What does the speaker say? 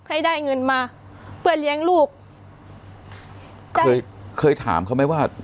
ให้ได้เงินมาเพื่อเลี้ยงลูกก็เคยเคยถามเขาไหมว่า